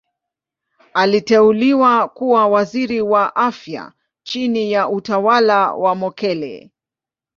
Aliteuliwa kuwa Waziri wa Afya chini ya utawala wa Mokhehle.